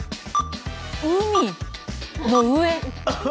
海の上？